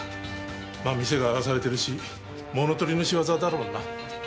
まあ店が荒らされてるし物盗りの仕業だろうな。